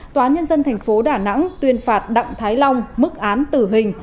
tòa nhân dân thành phố đà nẵng tuyên phạt đặng thái long mức án tử hình